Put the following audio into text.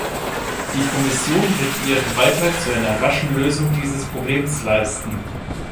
Die Kommission wird ihren Beitrag zu einer raschen Lösung dieses Problems leisten.